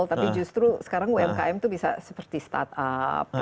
tapi justru sekarang umkm itu bisa seperti startup